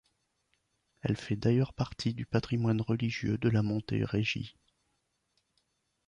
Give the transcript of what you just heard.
Elle fait d’ailleurs partie du patrimoine religieux de la Montérégie.